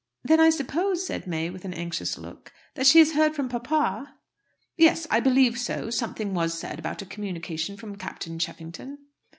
"Then I suppose," said May, with an anxious look, "that she has heard from papa?" "Yes, I believe so; something was said about a communication from Captain Cheffington."